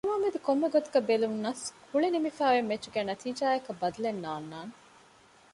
ކަމާމެދު ކޮންމެ ގޮތަކަށް ބެލެވުނަސް ކުޅެ ނިމިފައި އޮތް މެޗުގެ ނަތީޖާއަކަށް ބަދަލެއް ނާންނާނެ